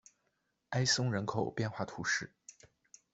埃松人口变化图示